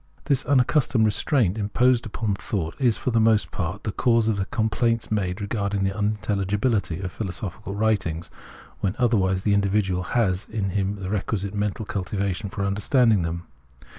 This unaccustomed restraint imposed upon thought is for the most part the cause of the complaints made regarding the unintelhgibihty of philosophical writings, when otherwise the individual has in him the requisite mental cultivation for understanding them.